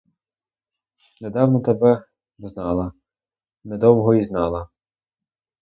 Недавно тебе взнала, недовго й знала!